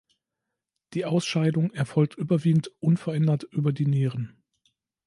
Die Ausscheidung erfolgt überwiegend unverändert über die Nieren.